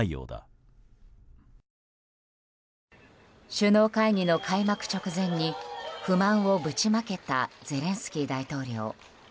首脳会議の開幕直前に不満をぶちまけたゼレンスキー大統領。